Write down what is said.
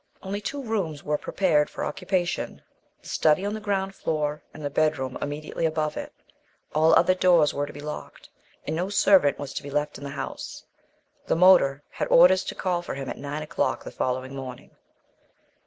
Only two rooms were prepared for occupation: the study on the ground floor and the bedroom immediately above it; all other doors were to be locked, and no servant was to be left in the house. The motor had orders to call for him at nine o'clock the following morning.